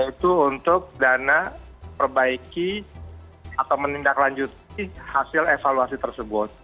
yaitu untuk dana perbaiki atau menindaklanjuti hasil evaluasi tersebut